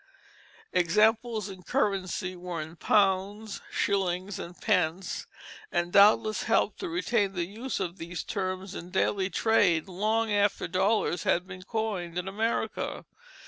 Examples in currency were in pounds, shillings, and pence; and doubtless helped to retain the use of these terms in daily trade long after dollars had been coined in America.